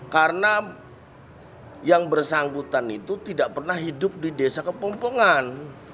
karena yang bersangkutan itu tidak pernah hidup di desa kepongpongan